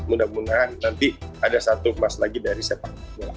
mudah mudahan nanti ada satu emas lagi dari sepak bola